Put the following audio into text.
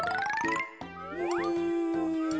うん。